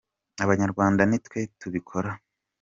abanyarwanda nitwetubikora